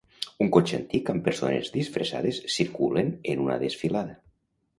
Un cotxe antic amb persones disfressades circulen en una desfilada.